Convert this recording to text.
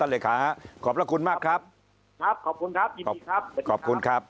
เลขาขอบพระคุณมากครับครับขอบคุณครับยินดีครับขอบคุณครับ